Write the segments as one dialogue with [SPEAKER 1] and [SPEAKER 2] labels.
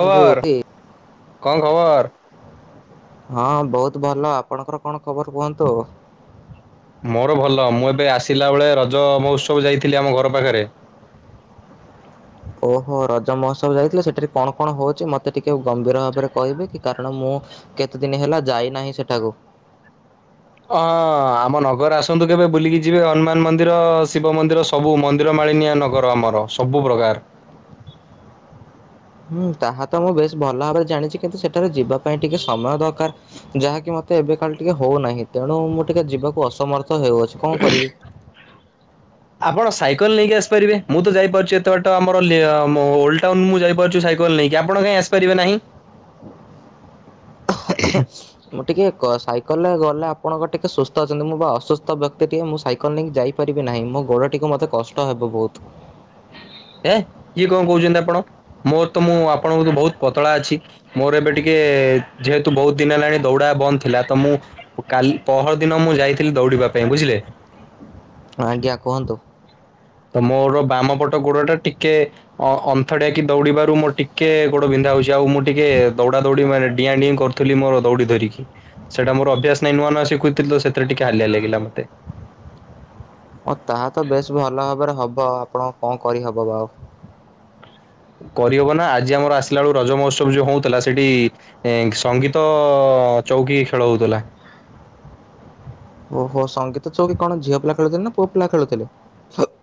[SPEAKER 1] ବନ୍ଧୁ କି
[SPEAKER 2] କଣ ଖବର?
[SPEAKER 1] ହଁ ବହୁତ୍ ଭଲ ଆପଣଙ୍କର କଣ ଖବର କୁହନ୍ତୁ?
[SPEAKER 2] ମୋର ଭଲ ମୁଁ ଏବେ ଆସିଲା ବେଳେ ରଜ ମହୋତ୍ସବ ଯାଇଥିଲି ଆମ ଘର ପାଖରେ।
[SPEAKER 1] ଓହୋ ରଜ ମହୋତ୍ସବ ଯାଇଥିଲେ ସେଠାରେ କଣ କଣ ହେଉଛି ମୋତେ ଟିକିଏ ଗମ୍ଭୀର ଭାବରେ କହିବେ କି କାରଣ ମୁଁ କେତେ ଦିନି ହେଲା ଯାଇନାହିଁ ସେଠାକୁ।
[SPEAKER 2] ହଁ ଆମ ନଗର ଆସନ୍ତୁ କେବେ ବୁଲିକି ଯିବେ ହନୁମାନ ମନ୍ଦିର ଶିବ ମନ୍ଦିର ସବୁ ମନ୍ଦିରମାଳିନିଆ ନଗର ଆମର ସବୁ ପ୍ରକାରର।
[SPEAKER 1] ହୁଁ ତାହା ତ ମୁଁ ବେଶ ଭଲ ଭାବରେ ଜାଣିଛି କିନ୍ତୁ ସେଠାରେ ଯିବା ପାଇଁ ଟିକେ ସମୟ ଦରକାର। ଯାହାକି ମତେ ଏବେ ଖାଲି ଟିକେ ହଉନାହିଁ ତେଣୁ ମୁଁ ଟିକେ ଯିବାକୁ ଅସମର୍ଥ ହେଉଅଛି କଣ କରିବି?
[SPEAKER 2] ଆପଣ ସାଇକେଲ ନେଇକି ଆସିପାରିବେ ମୁଁ ତ ଯାଇପାରୁଛି ଏତେ ବାଟ ତ ଆମର ଓଲ୍ଡ ଟାଉନ୍ ତ ମୁଁ ଯାଇପାରୁଛି ସାଇକେଲ ନେଇକି ଆପଣ କାହିଁ ଆସିପାରିବେ ନାହିଁ।
[SPEAKER 1] ମୁଁ ଟିକେ ସାଇକେଲ ରେ ଗଲେ ଆପଣଙ୍କ ଟିକେ ସୁସ୍ଥ ଅଛନ୍ତି ମୁଁ ବା ଅସୁସ୍ଥ ବ୍ୟକ୍ତି ଟିକେ ମୁଁ ସାଇକେ କ ନେଇକି ଯାଇପାରିବି ନାହିଁ ମୋ ଗୋଡ ଟିକୁ ମତେ କଷ୍ଟ ହେବ ବହୁତ୍।
[SPEAKER 2] ଏ ଇଜ କଣ କହୁଛନ୍ତି ଆପଣ ମୋର ତ ମୁଁ ଆପଣଙ୍କ ଠୁ ବହୁତ୍ ପତଳା ଅଛି। ମୋର ଏବେ ଟିକେ ଯେହେତୁ ବହୁତ୍ ଦିନ ହେଲାଣି ଦୌଉଡା ବନ୍ଦ ଥିଲା ତ ମୁଁ କାଲି ପହର ଦିନ ମୁଁ ଯାଇଥିଲି ଦୌଡିବା ପାଇଁ ବୁଝିଲେ।
[SPEAKER 1] ଆଜ୍ଞା କୁହନ୍ତୁ।
[SPEAKER 2] ତ ମୋର ବାମ ପଟ ଗୋଡ ଟା ଟିକେ ଅ ଅନ୍ଥଡିଆ କିି ଦୌଡିବାରୁ ମୋର ଟିକେ ଗୋଡ ବିନ୍ଧା ହଉଛି ଆଉ ମୁଁ ଟିକେ ଦୌଡା ଦୌଡି ମାନେ ଡିଆଁ ଡୁଇଁ କରୁଥିଲି ମୋର ଦୌଡ଼ି ଧରିକି ସେଟା ମୋର ଅଭ୍ୟାସ ନାହିଁ ନୂଆ ନୂଆ ସିଖୁଥିଲି ସେଥିରେ ଟିକେ ହାଲିଆ ଲାଗିଲା ମତେ।
[SPEAKER 1] ଓ ତାହା ତ ବେଶ ଭଲ ଭାବରେ ହବ ଆପଣ କଣ କରିହବ ବା ଆଉ।
[SPEAKER 2] କରିହବ ନା ଆଜି ଆମର ଆସିଲା ବେଳୁ ରଜ ମହୋତ୍ସବ ଯୋଉ ହଉଥିଲା ସେଠି ଏ ସଙ୍ଗୀତ ଚୌକି ଖେଳ ହଉଥିଲା।
[SPEAKER 1] ଓହୋ ସଙ୍ଗୀତ ଚୋଉ କି କଣ ଝିଅ ପିଲା ଖେଳୁଥିଲେ ନା ପୁଅ ପିଲା ଖେଳୁଥିଲେ?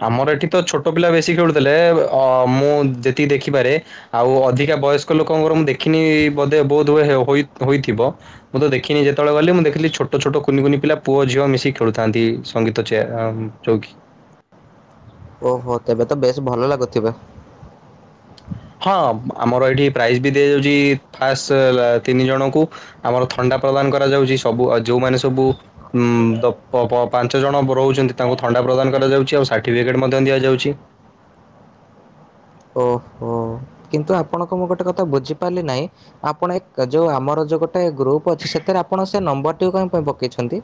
[SPEAKER 2] ଆମର ଏଠି ତ ଛୋଟ ପିଲା ବେଶୀ ଖେଳୁଥିଲେ ଅ ମୁଁ ଯେତିକି ଦେଖିପାରେ। ଆଉ ଅଧିକା ବୟସ୍କ ଲୋକଙ୍କର ମୁଁ ଦେଖିନି ବୋଧେ ବହୁତ ହ ହୋଇ ହୋଇଥିବ। ମୁଁ ତ ଦେଖିନି ଯେତେବେଳେ ଗଲେ ମୁଁ ଦେଖିଲିଛୋଟ ଛୋଟ କୁି କୁନି ପିଲା ପୁଅଝିଅ ମିଶିକି ଖେଳୁଛନ୍ତି। ସଙ୍ଗୀତ [unintelligible] ଚୌକି
[SPEAKER 1] ଓହୋ ତେବେ ତ ବେଶ ଭଲ ଲାଗୁଥିଲା।
[SPEAKER 2] ହଁ ଆମର ଏଇଠି ପ୍ରାଇଜ ବି ଦିଆଯାଉଛି ଫାଷ୍ଟ ତିନି ଜଣଙ୍କୁ। ଆମର ଥଣ୍ଡା ପ୍ରଦାନ କରାଯାଉଛି ସବୁ ଯୋଉମାନେ ସବୁ ଉଁ ପାଞ୍ଚ ଜଣ ରହୁଛନ୍ତି ତାଙ୍କୁ ଥଣ୍ଡା ପ୍ରଦାନ କରାଯାଉଛି ଆଉ ସାର୍ଟିଫିକେଟ୍ ମଧ୍ୟ ଦିଆଯାଉଛି।
[SPEAKER 1] ଓହୋ। କିନ୍ତୁ ଆପଣଙ୍କୁ ମୁଁ ଗୋଟେ କଥା ବୁଝିପାରିଲି ନାହିଁ ଆପଣ ଯୋଉ ଆମର ଯୋଉ ଗୋଟେ ଗ୍ରୁପ୍ ଅଛି ସେଥିରେ ଆପଣ ସେ ନମ୍ବରଟିକୁ କଣ ପାଇଁ ପକେଇଛନ୍ତି?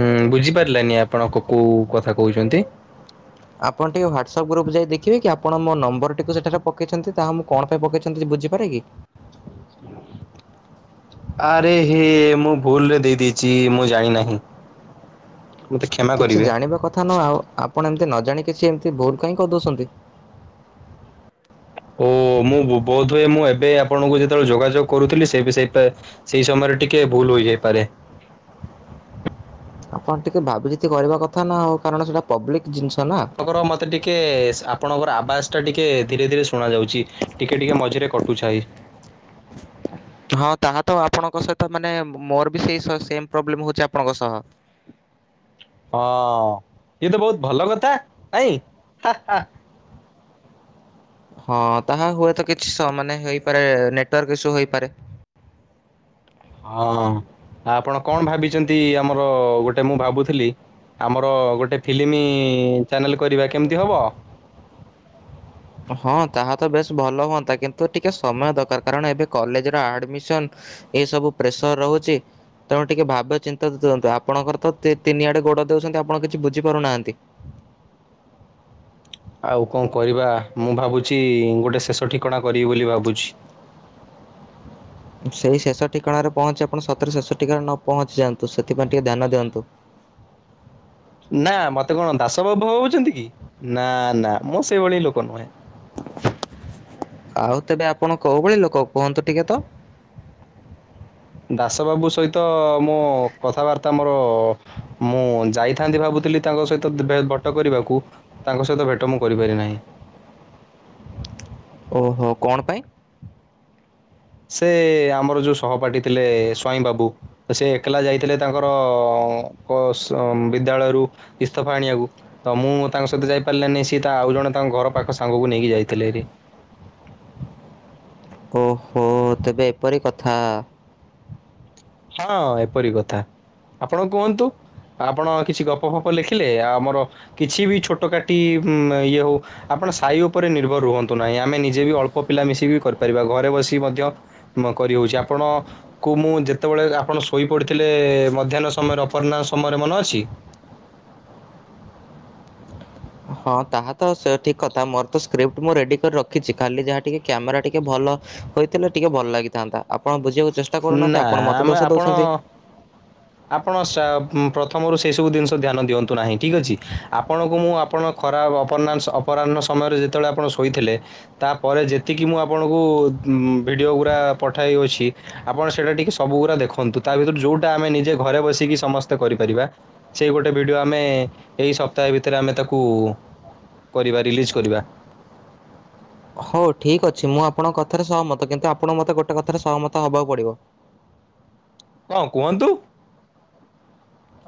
[SPEAKER 2] ଉୁଁ ବୁଝିପାରିଲାନି ଆପଣ କୋଉ କଥା କହୁଛନ୍ତି?
[SPEAKER 1] ଆପଣ ଟିକେ ହ୍ୱାଟ୍ସଆପ୍ ଗ୍ରୁପ୍ ଯାଇ ଦେଖେ ଆପ ମୋ ନମ୍ବରଟିକୁ ସେଠାରେ ପକାଇଛନ୍ତି ତାହା ମୁଁ କଣ ପକେଇଛନ୍ତି ସେ ବୁଝିପାଇଲେ କି?
[SPEAKER 2] [inaudible] ଆରେ ହେ ମୁଁ ଭୁଲ ରେ ଦେଇ ଦେଇେଇଛି ମୁଁ ଜାଣି ନାହିଁ।
[SPEAKER 1] କିଛି ଜାଣିବା କଥା ନୁହ ଆଉ ଆପଣ ଏମିତି ନ ଜାଣଣି କିଛି ଏମିତି ଭୁଲ କାହିଁ କହିଦଉଛନ୍ତି।
[SPEAKER 2] ଓ ମୁଁ ବୋଧହୁଏ ମୁଁ ଏବେ ଆପଣଙ୍କୁ ଯେତେବେଳେ ଯୋଗାଯୋଗ କରୁଥିଲି ସେ ସେଇ ସେଇ ସମୟରେ ଟିକେ ଭୁଲ ହୋଇଯାଇପାରେ।
[SPEAKER 1] ଆପଣ ଟିକେ ଭାବିଚ କରିବା କଥା ନା ହଉ କାରଣ ସେଇଟା ପବ୍ଲିକ ଜିନିଷ ନା।
[SPEAKER 2] ଆପଣଙ୍କର ମୋତେ ଟିକିଏ ଆପଣଙ୍କର ଆବାସଟା ଟିକିଏ ଧୀରେ ଧୀରେ ଶୁଣାଯାଉଛି। ଟିକେ ଟିକେ ମଝିରେ କଟୁ [unintelligible]
[SPEAKER 1] ହଁ ତାହା ତ ଆପଣଙ୍କ ସହିତ ମାନେ ମୋର ବି ସେଇ ସେମ୍ ପ୍ରୋବ୍ଲେମ୍ ହଉଛି ଆପଣଙ୍କ ସହ।
[SPEAKER 2] ହଁ ଇଏ ତ ବହୁତ ଭଲ କଥା ନାଇଁ।
[SPEAKER 1] ହଁ ତାହା ହୁଏତ କିଛି ମାନେ ହେଇପାରେ ନେଟୱାର୍କ ଇସୁ ହେଇପାରେ।
[SPEAKER 2] ହଁ ଆପଣ କଣ ଭାବିଛନ୍ତି ଆମର ଗୋଟେ ମୁଁ ଭାବୁଥିଲି। ଆମର ଗୋଟେ ଫିଲ୍ମ ଚ୍ୟାନେଲ୍ କରିବା କେମିତି ହେବ?
[SPEAKER 1] ହଁ ତାହା ତ ବେଶ ଭଲ ହୁଅନ୍ତା କିନ୍ତୁ ଟିକେ ସମୟ ଦରକାର କାରଣ ଏବେ କଲେଜରେ ଆଡମିସନ ଏସବୁ ପ୍ରେସର ରହୁଛି। ତେଣୁ ଟିକେ ଭାବ୍ୟ ଚିନ୍ତା ଦିନ୍ତୁ ଆପଣଙ୍କର ତ ତିନିଆଡେ ଗୋଡ ଦେଉଛନ୍ତି ଆପଣ କିଛି ବୁଝିପାରୁନାହାନ୍ତି।
[SPEAKER 2] ଆଉ କଣ କରିବା ମୁଁ ଭାବୁଛି ଗୋଟେ ଶେଷ ଠିକଣା କରିବି ବୋଲି ଭାବୁଛି।
[SPEAKER 1] ସେଇ ଶେଷ ଠିକଣାଣାରେ ପହଞ୍ଚି ଆପଣ ସତରେ ଶେଷ ଠିକଣାରେ ନ ପହଞ୍ଚି ଯାନ୍ତୁ ସେଥିାଇଁ ଟିକେ ଧ୍ୟାନ ଦିଅନ୍ତୁ।
[SPEAKER 2] ନା ମତେ କଣ ଦାସ ବାବୁ ଭଉଛନ୍ତି କି ନା ନା ମୁଁ ସେଇଭଳି ଲୋକ ନୁହେଁ।
[SPEAKER 1] ଆଉ ତେବେ ଆପଣ କୋଉ ଭଳି ଲୋକ କୁହନ୍ତୁ ଟିକେ ତ?
[SPEAKER 2] ଦାସ ବାବୁ ସହିତ ମୁଁ କଥାବାର୍ତ୍ତା ମୋର ମୁଁ ଯାଇଥାନ୍ତି ଭାବୁଥିଲି ତାଙ୍କ ସହିତ ବଟ କରିବାକୁ। ତାଙ୍କ ସହିତ ଭେଟ ମୁଁ କରିପାରି ନାହିଁ।
[SPEAKER 1] ଓହୋ କଣ ପାଇଁ?
[SPEAKER 2] ସେ ଆମର ଯୋଉ ସହପାଠୀ ଥିଲେ ସ୍ୱାଇଁ ବାବୁ ତ ସେ ଏକଲା ଯାଇଥିଲେ ତାଙ୍କର ବିଦ୍ୟାଳୟରୁ ଇସ୍ତଫା ଆଣିବାକୁ। ତ ମୁଁ ତାଙ୍କ ସହିତ ଯାଇପାରିଲିନାନି ସିଏ ତା ଆଉ ଜଣେ ତାଙ୍କ ଘର ପାଖ ସାଙ୍ଗକୁ ନେଇକି ଯାଇଥିଲେରି।
[SPEAKER 1] ଓହୋ ତେବେ ଏପରି କଥା।
[SPEAKER 2] ହଁ ଏପରି କଥା ଆପଣ କୁହନ୍ତୁ। ଆପଣ କିଛି ଗପ ଫପ ଲେଖିଲେ ଆ ଆମର କିଛି ବି ଛୋଟ କାଟି ଉ ଇଏ ହଉ। ଆପଣ ସାହି ଉପରେ ନିର୍ଭର ରୁହନ୍ତୁ ନାହିଁ ଆମେ ନିଜେ ବି ଅଳ୍ପ ପିଲା ମିଶିକି କରିପାରିବା ଘରେ ବସିିକ ମଧ୍ୟ କରିହଉଛି ଆପଣ କୁ ମୁଁ ଯେ କେତେବେଳେ ଆପଣ ଶୋଇପଡ଼ିଥିଲେ ମଧ୍ୟାହ୍ନ ସମୟରେ ଅପର୍ହ୍ ସମୟରେ ମନେ ଅଛି।
[SPEAKER 1] ହଁ ତାହା ତ ସେ ଠିକ୍ କଥା ମୋର ତ ସ୍କ୍ରିପ୍ଟ ମୁଁ ରେଡ଼ି କରି ରଖି। ଖାଲି ଯାହାେ କ୍ୟାମେରା ଟିକେ ଭଲ ହୋଇଥିଲେ ଟିକେ ଭଲ ଲାଗିଥାନ୍ତା। ଆପଣ ବୁକୁେଷ୍ଟ କରୁନାହାନ୍ତି
[SPEAKER 2] ନା
[SPEAKER 1] ଆପଣ ମତେ
[SPEAKER 2] ଆମେ
[SPEAKER 1] ଦୋଷ
[SPEAKER 2] ଆପଣ
[SPEAKER 1] ଦଉଛନ୍ତି।
[SPEAKER 2] ଆପଣ ପ୍ରଥମରୁ ସେଇ ସବୁ ଜିନିଷ ଧ୍ୟାନ ଦିଅନ୍ତୁ ନାହିଁ ଠିକ୍ ଅଛି। ଆପଣଙ୍କୁ ମୁଁ ଆପଣ ଖରାପପ ଅପରାହ୍ନ ସମୟରେ ଯେତେବେଳେ ଆପଣ ଶୋଇଥିଲେ ତାପରେ ଯେତିକି ମୁଁ ଆପଣଙ୍କୁ ଭିଡ଼ିଓ ଗୁଡ଼ା ପଠାଇଅଛି ଆପଣ ସେଇଟା ଟିକେ ସବୁଗୁରା ଦେଖନ୍ତୁ। ତା ଭିତରୁ ଯୋଉଟା ଆମ ନିଜେ ଘରେ ବସିକି ସମସ୍ତେ କରିପାରିବା ସେଇ ଗୋଟେ ଭିଡିଓ ଆମେ ଏଇ ସପ୍ତାହେ ଭିତରେ ଆମେ ତାକୁ କରିବା ରିଲିଜ୍ କରିବା।
[SPEAKER 1] ହଉ ଠିକ୍ ଅଛି ମୁଁ ଆପଣଙ୍କ କଥାରେ ସହମତ। କିନ୍ତୁ ଆପଣଙ୍କ ମତେ ଗୋଟେ କଥାରେ ସହମତ ହବାକୁ ପଡିବ।
[SPEAKER 2] କଣ କୁହନ୍ତୁ?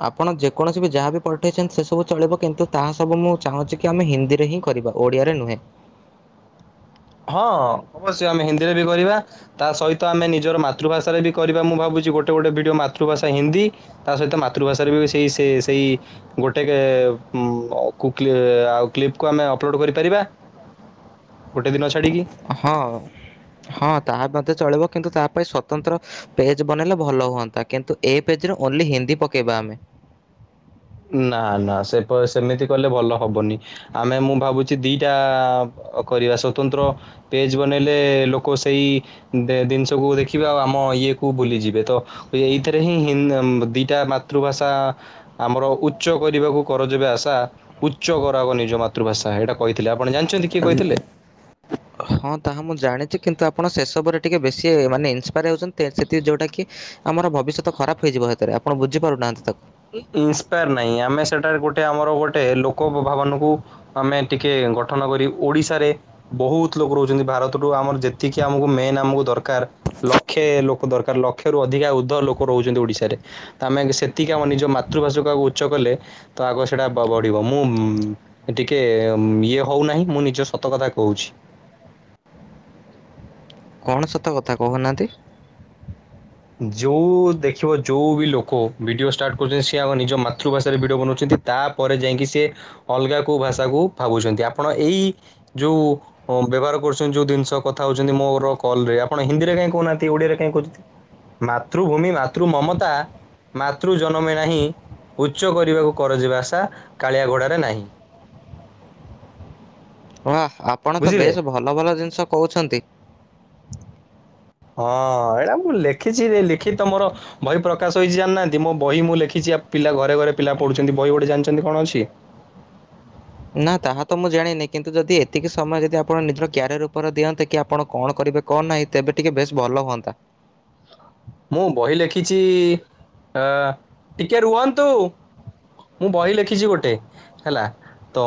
[SPEAKER 1] ଆପଣ ଯେକୌଣସି ବି ଯାହାବ ବି ପଠେଇଛନ୍ତି ସେ ସବୁ ଚଳିବ କିନ୍ତୁ ତାହା ସବୁ ମୁଁ ଚାହୁଁଛି କି ଆମେ ହିନ୍ଦୀରେ ହିଁ କରିବା। ଓଡ଼ିଆରେ ନୁହେ।
[SPEAKER 2] ହଁ ଅବଶ୍ୟ ଆମେ ହିନ୍ଦୀରେ ବି କରିବା। ତା ସହିତ ଆମେ ନିଜର ମାତୃଭାଷାରେ ବି କରିବା ମୁଁ ଭାବୁଛି ଗୋଟେ ଗୋଟେ ଭିଡିଓ ମାତୃଭାଷା ହିନ୍ଦୀ। ତା ସହିତ ମାତୃଭାଷାରେ ବି ସେଇ ସେ ସେଇ ଗୋଟେ ଆଉ କ୍ଲିପକୁ ଆମେ ଅପଲୋଡ କରିପାରିବା। ଗୋଟେିନଛାଡ଼ିକି
[SPEAKER 1] ହଁ ହଁ ତାହା ମଧ୍ୟ ଚଳିବ କିନ୍ତୁ ତା ପାଇଁ ସ୍ୱତନ୍ତ୍ର ପେଜ ବନେଇଲେ ଭଲ ହୁଅନ୍ତା କିନ୍ତୁ ଏ ପେଜରେ ଓନ୍ଲି ହିନ୍ଦୀ ପକେଇବା ଆମେ।
[SPEAKER 2] ନା ନା ସେ ସେମିତି କଲେ ଭଲ ହବନି। ଆମେ ମୁଁ ଭାବୁଛି ଦିଟା କରିବା ସଵତନ୍ତ୍ର ପେଜ ବନେଇଲେ ଲୋକ ସେଇ ଜିନିଷକୁୁ ଦେଖିବେ ଆଉ ଆମ ଇଏ କୁ ବୁଲିଯିବେ। ତ ଏଇଥିରେ ହିଁ ହି ଦିଟା ମାତୃଭାଷା ଆମର ଉଚ୍ଚ କରିବାକୁ କରଜବେ ଆଶା ଉଚ୍ଚ କରାଗ ନିଜ ମାତୃଭାଷା। ଏଇଟା କହିଥିଲେ ଆପଣ ଜାଣି କିଏ କହିଥିଲେ।
[SPEAKER 1] ହଁ ତାହା ମୁଁ ଜାଣିଛି କିନ୍ତୁ ଆପଣ ସେସବୁରେ ଟିକିେ ବେଶୀ ମାନେ ଇନ୍ସପାୟାର୍ ହେଉଛନ୍ତି ସେଥିି ଯେଉଁଟାକି ଆମର ଭବିଷ୍ୟତ ଖରାପ ହେଇଯିବ ସେଥିରେ ଆପଣ ବୁଝିପାରୁନାହାନ୍ତି ତାକୁ।
[SPEAKER 2] ଇନ୍ସପାୟାର ନାହିଁ ଆମେ ସେଟାରେ ଗୋଟେ ଆମର ଗୋଟେ ଲୋକ ଭବାନଙ୍କୁ ଆମେ ଟିକେ ଗଠନ କରି ଓଡିଶାରେ ବହୁତ ଲୋକ ରହୁଛନ୍ତି ଭାରତରୁୁ ଆମର ଯେତିକି ଆମକୁ ମେନ୍ ଆମକୁ ଦରକାର ଲକ୍ଷେ ଲୋକ ଦରକାର ଲକ୍ଷେ ରୁ ଅଧିକା ଉର୍ଦ୍ଧ ଲୋକ ରହୁଛନ୍ତି ଓଡିଶାରେ। ତ ଆମେ ସେତିକି କ ନିଜ ମାତୃଭାଷାକୁ ଆଗକୁ ଉଚ୍ଚ କଲେ ତ ଆଗ ସେଇଟା ବଢିବ ମୁଁ ଟିକେ ଇଏ ହଉନାହିଁ ମୁଁ ନିଜ ସତ କଥା କହୁଛି।
[SPEAKER 1] କଣ ସତ କଥା କହୁନାହାନ୍ତି।
[SPEAKER 2] ଯେଉଁ ଦେଖିବ ଯେଉଁ ବି ଲୋକ ଭିଡ଼ିଓ ଷ୍ଟାର୍ଟ କରୁଛନ୍ତି ସ ଆମ ନିଜ ମାତୃଭାଷାରେ ଭିଡ଼ିଓ ବନାଉଛନ୍ତି। ତାପରେ ଯାଇକି ସେ ଅଲଗା କେଉଁ ଭାଷାକୁ ଭାବୁଛନ୍ତି ଆପଣ ଏଇ ଯେଉଁ ହଁ ବ୍ୟବହାର କରୁଛନ୍ତି ଯୋଉ ଜିନିଷ କଥା ହଉ ମୋର କଲ ଆପଣ ହନ୍ଦୀରେ କହିଁ କହୁନାହାନ୍ତିଡିଆରେ କାଇହିଁ କହୁଛନ୍ତି। ମାତୃଭୂମି ମାତୃ ମମତା ମାତୃ ଜନମେ ନାହିଁ ଉଚ୍ଚ କରିବାକୁ କରଯିବା ଆଶା କାଳିଆ ଘୋଡ଼ାରେ ନାହିଁ
[SPEAKER 1] ୱା ଆପଣ ତ
[SPEAKER 2] ବୁଝିଲେ
[SPEAKER 1] ବେଶ୍ ଭଲ ଭଲ ଜିନିଷ କହୁଛନ୍ତି।
[SPEAKER 2] ହଁ ଏଇଟା ମୁଁ ଲେଖିଛିରେ ଲେଖି ତମର ବହି ପ୍ରକାଶ ହେଇଛି ଜାଣିନାହାନ୍ତି ମୋ ବହି ମୁଁ ଲେଖିଛି ଆ ପିଲା ଘରେ ଘରେ ପିଲା ପଢ଼ୁଛନ୍ତି ବହି ଗୋଟେ ଜାଣିଛନ୍ତି କଣ ଅଛି?
[SPEAKER 1] ନାଁ, ତାହା ତ ମୁଁ ଜାଣିନି, କିନ୍ତୁ ଯଦି ଏତିକି ସମୟ ଯଦି ଆପଣ ନିଜର କ୍ୟାରିୟର ଉପରେ ଦିଅନ୍ତେ, କି ଆପଣ କଣ କରିବେ କଣ ନାହିଁ ତେବେ ଟିକେ ବେଶ୍ ଭଲ ହୁଅନ୍ତା।
[SPEAKER 2] ମୁଁ ବହି ଲେଖିଛି ଅ ଟିକେ ରୁହନ୍ତୁ? ମୁଁ ବହି ଲେଖିଛି ଗୋଟେ ହେଲା ତ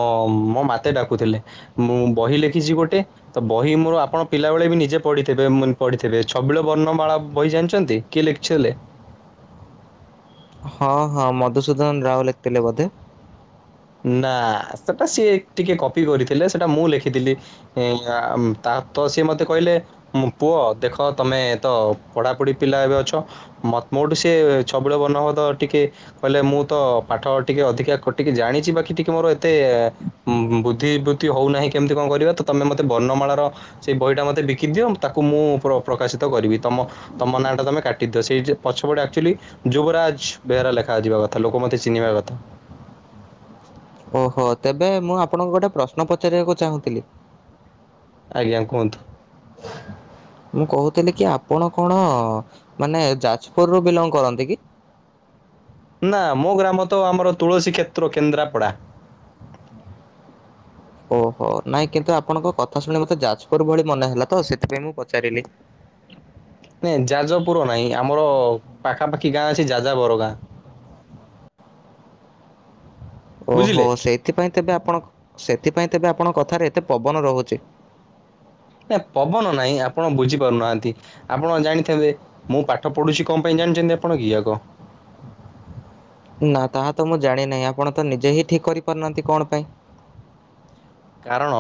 [SPEAKER 2] ମୋ ମତେ ଡାକୁଥିଲେ। ମୁଁ ବହି ଲେଖିଛି ଗୋଟେ। ତ ବହି ମୋର ଆପଣ ପିଲାବେଳେ ବି ନିଜେ ପଢ଼ିଥିବେ ପଢ଼ିଥିବେ ଛବିଳ ବର୍ଣ୍ଣମାଳା ବହି ଜାଣିଛନ୍ତି? କିଏ ଲେଖଥିଲେ?
[SPEAKER 1] ହଁ ହଁ ମଧୁସୂଦନ ରାଓ ଲେଖିଥିଲେ ବୋଧେ।
[SPEAKER 2] ନା ସେଟା ସିଏ ଟିକେ କପି କରିଥିଲେ ସେଟା ମୁଁ ଲେଖିଥିଲି। ତା ତ ସିଏ ମତେ କହିଲେ। ମୁଁ ପୁଅ ଦେଖ ତମେ ତ ପଢ଼ାପଢ଼ି ପିଲା ଏବେ ଅଛ। ମ ମୋଠୁ ସିଏ ଛବିଳ ବନବଦ ଟିକେ କହିଲେ ମୁଁ ତ ପାଠ ଟିକେ ଅଧିକା ଖଟିକି ଜାଣିଛି। ବାକି ଟିକେ ମୋର ଏତେ ବୁଦ୍ଧିିବୃତ୍ତି ହଉନାହିଁ କେମିତି କଣ କରିବା ତମେ ମତେ ବର୍ଣ୍ମାଳାର ସେଇ ବହିଟା ମତେ ବିକି ଦିଅ ତାକୁ ମୁଁ ପ୍ରକାଶିତ କରିବି ତମ ତମ ନାଁ ଟା ତମେ କାଟିଦିଅ ସେଇ ପଛ ପଟେ ଆକ୍ଚୁଆଲି ଯୁବରାଜ ବେହେରା ଲେଖାଯିବା କଥା ଲୋକ ମତେ ଚିହ୍ନିବା କଥା। [inaudible]
[SPEAKER 1] ଓହୋ ତେବେ ମୁଁ ଆପଣଙ୍କୁ ଗୋଟେ ପ୍ରଶ୍ନ ପଚାରିବାକୁ ଚାହୁଁଥିଲି?
[SPEAKER 2] ଆଜ୍ଞା କୁହନ୍ତୁ।
[SPEAKER 1] ମୁଁ କହୁଥିଲି କି ଆପଣ କଣ ମାନେ ଯାଜପୁରରୁୁ ବିଲଙ୍ଗ କରନ୍ତି କି?
[SPEAKER 2] ନା ମୋ ଗ୍ରାମ ତ ଆମର ତୁଳସୀକ୍ଷେତ୍ର କେନ୍ଦ୍ରାପଡ଼ା।
[SPEAKER 1] ଓହୋ ନାଇଁ କିନ୍ତୁ ଆପଣଙ୍କ କଥା ଶୁଣି ମତେ ଯାଜପୁର ଭଳି ମନେ ହେଲା ତ ସେଥିପାଇଁ ମୁଁ ପଚାରିଲି।
[SPEAKER 2] ନାଇଁ ଯାଜପୁର ନାହିଁ ଆମର ପାଖାପାଖି ଗାଁ ଅଛି ଯାଜା ବର ଗାଁ। [inaudible]
[SPEAKER 1] ଓହୋ
[SPEAKER 2] ବୁଝିଲେ
[SPEAKER 1] ସେଇଥିପାଇଁ ତେବେ ଆପଣ ସେଥିପାଇଁ ତେବେ ଆପଣଙ୍କ କଥାରେ ଏତେ ପବନ ରହୁଛି।
[SPEAKER 2] ନା ପବନ ନାାଇଁ ଆପଣ ବୁଝିପାରୁନାହାନ୍ତି। ଆପଣ ଜାଣିଥାନ୍ତେ ମୁଁ ପାଠ ପଢ଼ୁଛି କଣ ପାଇଁ ଜାଣିଛନ୍ତି ଆପଣ କି ଆଗ?
[SPEAKER 1] ନା ତାହା ତ ମୁଁ ଜାଣି ନାହିଁ ଆପଣ ତ ନିଜେ ହିଁ ଠିକ୍ କରିପାରୁନାହାନ୍ତି କଣ ପାଇଁ?
[SPEAKER 2] କାରଣ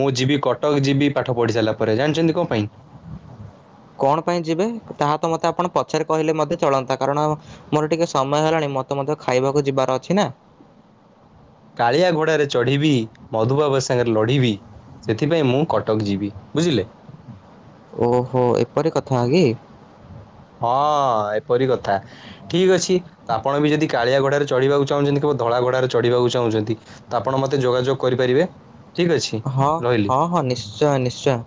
[SPEAKER 2] ମୁଁ ଯିବି କଟକ୍ ଯିବି ପାଠ ପଢ଼ି ସାରିଲା ପରେ ଜାଣିଛନ୍ତି କଣ ପାଇଁ?
[SPEAKER 1] କଣ ପାଇଁ ଯିବେ ତାହା ତ ମୋତେ ଆପଣ ପଛରେ କହିଲେ ମୋତେ ଚଳନ୍ତା କାରଣ ମୋର ଟିକେ ସମୟ ହେଲାଣି ମତେ ମୋତେ ଖାଇବାକୁ ଯିବାର ଅଛି ନା।
[SPEAKER 2] କାଳିଆ ଘୋଡ଼ାରେ ଚଢ଼ିବି ମଧୁବାବୁ ସାଙ୍ଗରେ ଲଢ଼ିବି। ସେଥିପାଇଁ ମୁଁ କଟକ୍ ଯିବି ବୁଝିଲେ।
[SPEAKER 1] ଓହୋ ଏପରି କଥା କି?
[SPEAKER 2] ହଁ ଏପରି କଥା। ଠିକ୍ ଅଛି ଆପଣ ବି ଯଦି କାଳିଆ ଘୋଡ଼ାରେ ଚଢ଼ିବାକୁ ଚାହୁଁଛନ୍ତି କିମ୍ବା ଧଳା ଘୋଡ଼ାରେ ଚଢ଼ିବାକୁ ଚାହୁଁଛନ୍ତି? ତ ଆପଣ ମତେ ଯୋଗାଯୋଗ କରିପାରିବେ। ଠିକ୍ ଅଛି
[SPEAKER 1] ହଁ
[SPEAKER 2] ରହିଲି।
[SPEAKER 1] ହଁ ହଁ ନିଶ୍ଚୟ ନିଶ୍ଚୟ।